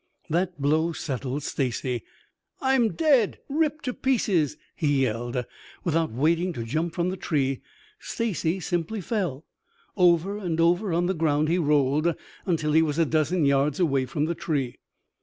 That blow settled Stacy. "I'm dead ripped to pieces!" he yelled. Without waiting to jump from the tree, Stacy simply fell. Over and over on the ground he rolled until he was a dozen yards away from the tree.